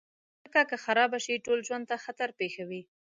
مځکه که خراب شي، ټول ژوند ته خطر پېښوي.